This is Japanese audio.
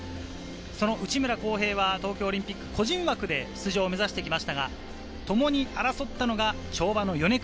その内村航平は東京オリンピック個人枠で出場を目指してきましたが、共に争ったのが跳馬の米倉。